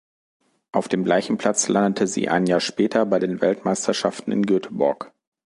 Auf dem gleichen Platz landete sie ein Jahr später bei den Weltmeisterschaften in Göteborg.